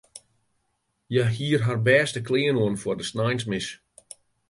Hja die har bêste klean oan foar de sneinsmis.